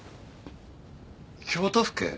京都府警！？